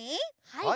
はい。